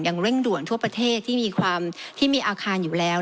อย่างเร่งด่วนทั่วประเทศที่มีอาคารอยู่แล้ว